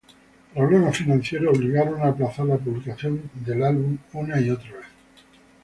Problemas financieros obligaron a aplazar la publicación del álbum una y otra vez.